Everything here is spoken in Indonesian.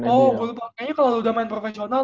oh gue lupa kayaknya kalau lu udah main profesional